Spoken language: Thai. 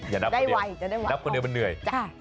อย่านับคนเดียวนับคนเดียวมันเหนื่อย